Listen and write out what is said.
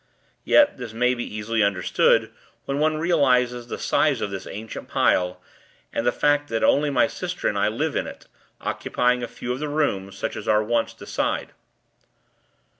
Yet, this may be easily understood, when one realizes the size of this ancient pile, and the fact that only my old sister and I live in it, occupying a few of the rooms, such as our wants decide.